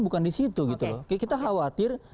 bukan di situ gitu loh kita khawatir